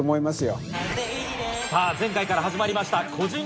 さぁ前回から始まりました。